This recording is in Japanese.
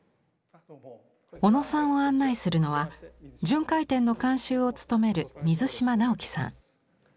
小野さんを案内するのは巡回展の監修を務める水島尚喜さん。